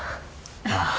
ああ。